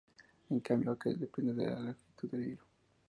En cambio, aquel depende de la longitud del hilo.